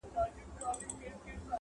زړونه صبر فیصلو د شنه اسمان ته،